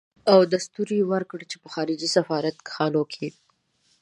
او دستور يې ورکړ چې په خارجي سفارت خانو کې.